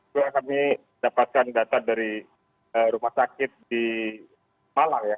kita dapatkan data dari rumah sakit di malang ya